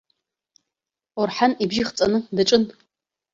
Орҳан ибжьы хҵаны даҿын.